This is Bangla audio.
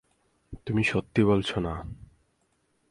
তুমি সত্যি বলছ না।